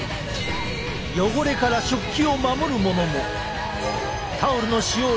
汚れから食器を守るものも。